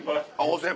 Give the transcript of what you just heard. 先輩。